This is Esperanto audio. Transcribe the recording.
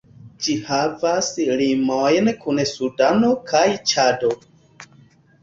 Ĝi havas limojn kun Sudano kaj Ĉado.